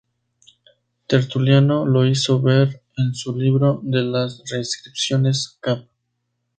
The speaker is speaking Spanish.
Tertuliano lo hizo ver en su libro "De las Prescripciones, cap.